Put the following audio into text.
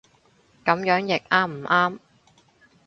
噉樣譯啱唔啱